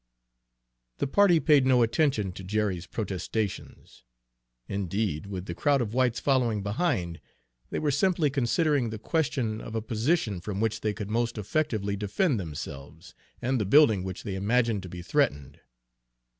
The party paid no attention to Jerry's protestations. Indeed, with the crowd of whites following behind, they were simply considering the question of a position from which they could most effectively defend themselves and the building which they imagined to be threatened.